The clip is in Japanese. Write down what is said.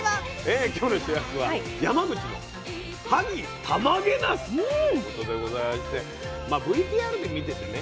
今日の主役は山口の萩たまげなすということでございましてまあＶＴＲで見ててね